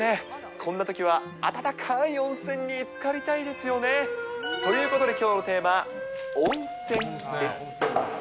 こんなときは温かい温泉につかりたいですよね。ということできょうのテーマは、温泉です。